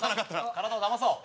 体をだまそう。